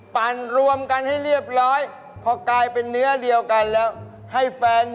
คนแก่อายุเยอะไง